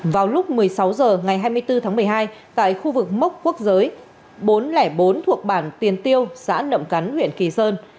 vào lúc một mươi sáu h ngày hai mươi bốn tháng một mươi hai tại khu vực mốc quốc giới bốn trăm linh bốn thuộc bản tiền tiêu xã nậm cắn huyện kỳ sơn